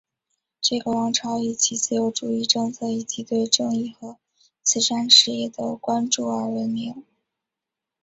这个王朝以其自由主义政策以及对正义和慈善事业的关注而闻名。